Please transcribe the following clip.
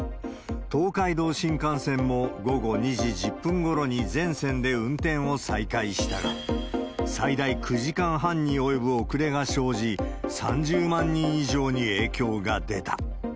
東海道新幹線も午後２時１０分ごろに全線で運転を再開したが、最大９時間半に及ぶ遅れが生じ、３０万人以上に影響が出た。